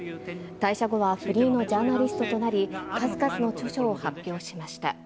退社後はフリーのジャーナリストとなり、数々の著書を発表しました。